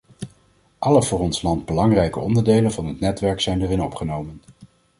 Alle voor ons land belangrijke onderdelen van het netwerk zijn erin opgenomen.